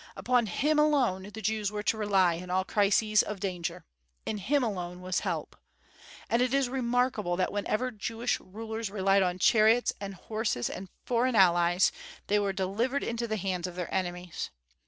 Upon Him alone the Jews were to rely in all crises of danger; in Him alone was help. And it is remarkable that whenever Jewish rulers relied on chariots and horses and foreign allies, they were delivered into the hands of their enemies.